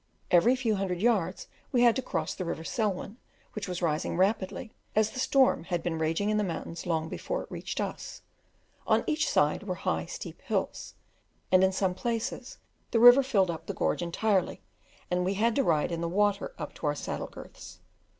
Every few hundred yards we had to cross the river Selwyn, which was rising rapidly, as the storm had been raging in the mountains long before it reached us; on each side were high, steep hills, and in some places the river filled up the gorge entirely, and we had to ride in the water up to our saddle girths.